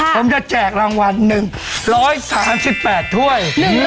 ผมจะแจกรางวัล๑๓๘ถ้วย